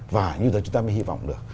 và như thế chúng ta mới hy vọng được